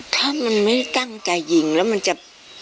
ถ้ามันไม่ได้ตั้งใจศึกษาหิงแล้วจะ